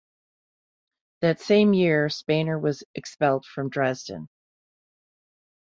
That same year Spener was expelled from Dresden.